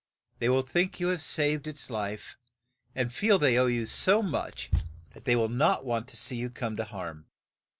They will think you have saved its life, and feel they owe you so much that they will not want to see you come to harm."